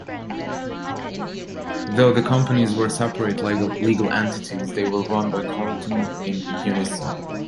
Though the companies were separate legal entities, they were run by Carlton in unison.